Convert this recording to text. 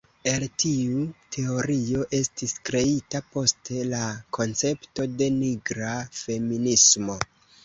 El tiu teorio estis kreita poste la koncepto de Nigra feminismo.